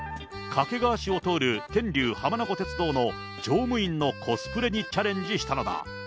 掛川市を通る天竜浜名湖鉄道の乗務員のコスプレにチャレンジしたのだ。